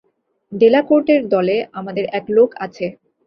ডেলাকোর্টের দলে আমাদের এক লোক আছে।